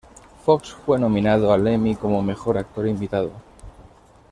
Fox fue nominado al Emmy como mejor actor invitado.